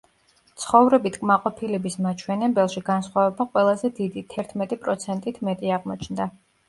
ცხოვრებით კმაყოფილების მაჩვენებელში განსხვავება ყველაზე დიდი, თერთმეტი პროცენტით მეტი აღმოჩნდა.